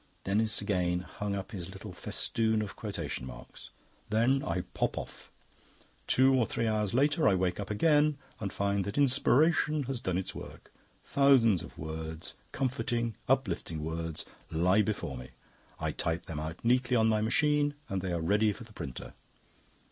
(Denis again hung up his little festoon of quotation marks.) "Then I pop off. Two or three hours later I wake up again, and find that inspiration has done its work. Thousands of words, comforting, uplifting words, lie before me. I type them out neatly on my machine and they are ready for the printer."